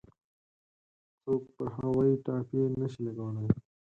څوک پر هغوی ټاپې نه شي لګولای.